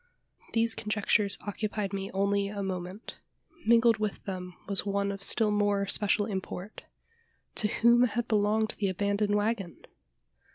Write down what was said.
These conjectures occupied me only a moment. Mingled with them was one of still more special import: to whom had belonged the abandoned waggon?